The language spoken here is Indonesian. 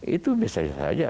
itu biasa saja